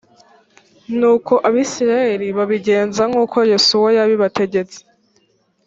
nuko abisirayeli babigenza nk’ uko yosuwa yabibategetse